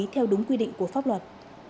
theo đúng quy định của pháp luật